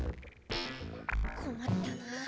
こまったなぁ。